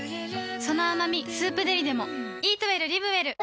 その甘み「スープデリ」でも